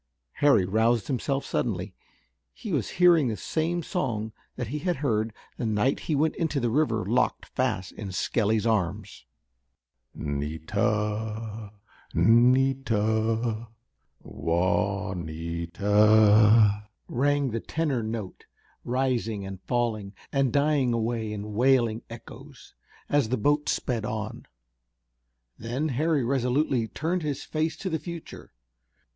Harry roused himself suddenly. He was hearing the same song that he had heard the night he went into the river locked fast in Skelly's arms. "'Nita, 'Nita, Juanita." rang the tenor note, rising and falling and dying away in wailing echoes, as the boat sped on. Then Harry resolutely turned his face to the future.